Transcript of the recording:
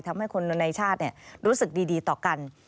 ทำให้คนในชาติรู้สึกดีต่อกัน